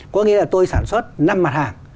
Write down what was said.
có nghĩa là tôi sản xuất năm mặt hàng